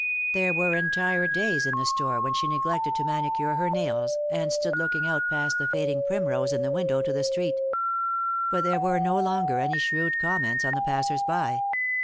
There were entire days in the store when she neglected to manicure her nails, and stood looking out past the fading primrose in the window to the street. But there were no longer any shrewd comments on the passers by.